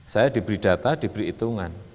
saya diberi data diberi hitungan